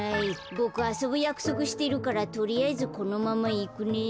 ボクあそぶやくそくしてるからとりあえずこのままいくね。